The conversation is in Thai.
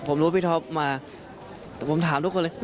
ผมรู้พี่ท็อปมาแต่ผมถามทุกคนเลย